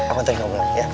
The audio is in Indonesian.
aku hantarin kamu pulang ya